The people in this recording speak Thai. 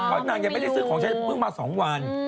เพราะนางยังไม่ได้ซื้อของฉันเพิ่งมา๒วัน